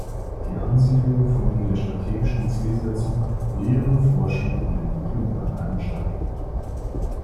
Die Ansiedelungen folgen der strategischen Zielsetzung „Lehre, Forschung und Entwicklung an einem Standort“.